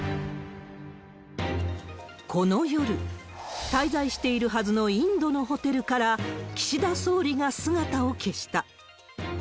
この夜、滞在しているはずのインドのホテルから、岸田総理が姿を消した。